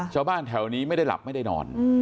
ชาวบ้านแถวนี้ไม่ได้หลับไม่ได้นอน